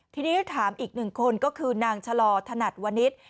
ทีนี้ถามอีกหนึ่งคนก็คือนางชะลอถนัดวนิษฐ์